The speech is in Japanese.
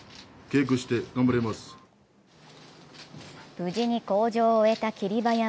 無事に口上を終えた霧馬山。